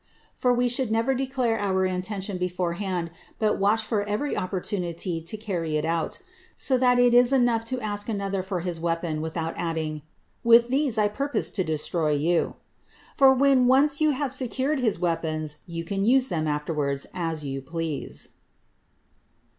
For we should never declare our intention beforehand, but watch for every opportunity to carry it out. So that it is enough to ask another for his weapons, without adding, "With these I purpose to destroy you;" for when once you have secured his weapons, you can use them afterwards as you please.